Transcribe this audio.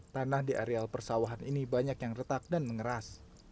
tanah di areal persawahan ini banyak yang retak dan mengeras